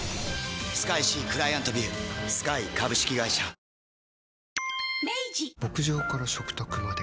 そして牧場から食卓まで。